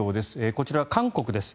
こちら韓国です。